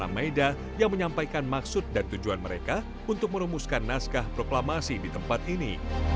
maeda yang menyampaikan maksud dan tujuan mereka untuk merumuskan naskah proklamasi di tempat ini